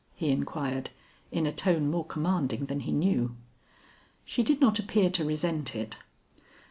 he inquired in a tone more commanding than he knew. She did not appear to resent it.